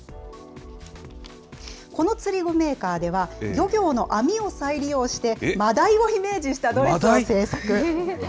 この釣り具メーカーでは、漁業の網を再利用して、真鯛をイメージしたドレスを製作。